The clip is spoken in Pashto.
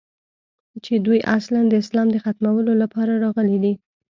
چې دوى اصلاً د اسلام د ختمولو لپاره راغلي دي.